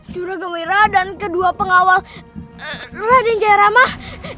juragamira dan kedua pengawal raden jaya ramah